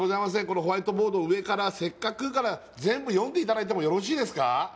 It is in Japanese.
このホワイトボード上から「せっかく」から全部読んでいただいてもよろしいですか？